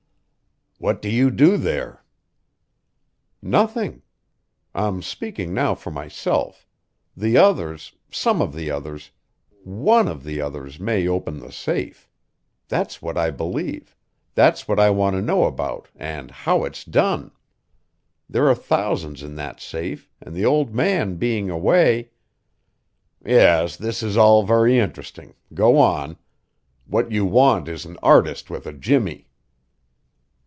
"What do you do there?" "Nothing. I'm speaking now for myself. The others some of the others one of the others may open the safe. That's what I believe, that's what I want to know about and how it's done. There are thousands in that safe, and the old man being away " "Yes, this is all very interesting. Go on. What you want is an artist with a jimmy."